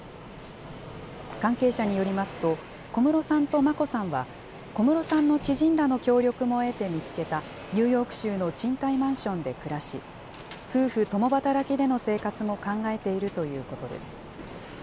関係者によりますと、小室さんと眞子さんは、小室さんの知人らの協力も得て見つけたニューヨーク州の賃貸マンションで暮らし、夫婦共働きでの生活も考えているということです。